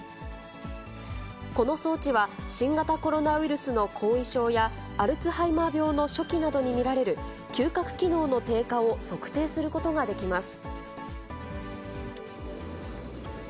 この装置は、新型コロナウイルスの後遺症や、アルツハイマー病の初期などに見られる、嗅覚機能の低下を測定することができます。